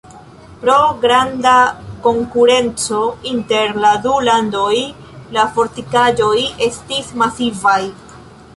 Pro granda konkurenco inter la du landoj la fortikaĵoj estis masivaj.